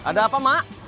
ada apa mak